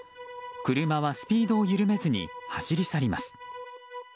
車はスピードを緩めずに走り去ります。